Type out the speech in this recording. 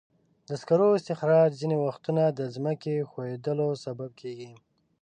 د سکرو استخراج ځینې وختونه د ځمکې ښویېدلو سبب کېږي.